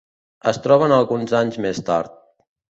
Es troben alguns anys més tard.